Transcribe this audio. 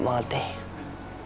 perjalanan dari amerika ke amerika